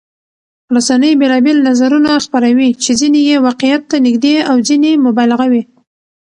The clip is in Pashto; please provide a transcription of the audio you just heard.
رسنۍ بېلابېل نظرونه خپروي چې ځینې یې واقعيت ته نږدې او ځینې مبالغه وي.